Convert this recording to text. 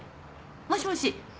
もしもし。